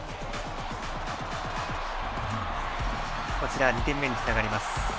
こちら、２点目につながります。